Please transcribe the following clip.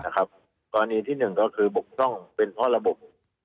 กรณีที่หนึ่งก็คือบกจ้องเป็นเพราะระบบ